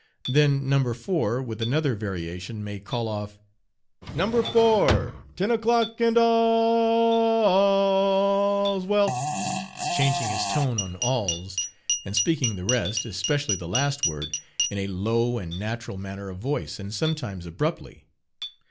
Then No. 4, with another variation, may call off, "No. 4, ten o'clock, and all l l l's well," changing his tone on "all l l l's," and speaking the rest, especially the last word, in a low and natural manner of voice, and sometimes abruptly.